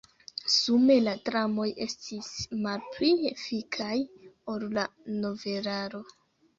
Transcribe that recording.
Sume la dramoj estis malpli efikaj ol la novelaro.